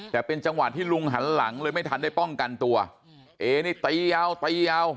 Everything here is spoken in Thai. แต่เป็นจังหวะที่ลุงหันหลังเลยไม่ทันได้ป้องกันตัวเอนี่ตียาวตียาว